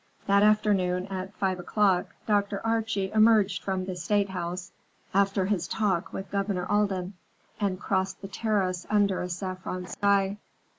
That afternoon at five o'clock Dr. Archie emerged from the State House after his talk with Governor Alden, and crossed the terrace under a saffron sky.